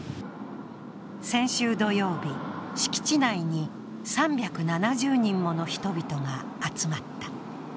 先週土曜日、敷地内に３７０人もの人々が集まった。